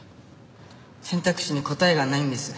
選択肢に答えがないんです。